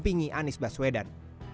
dampingi anies baswedan